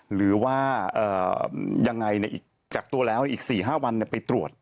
หรือว่ายังไงกักตัวแล้วอีก๔๕วันไปตรวจ